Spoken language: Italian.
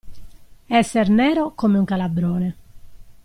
Esser nero come un calabrone.